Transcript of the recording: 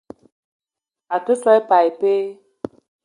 Ou te so i pas ipee?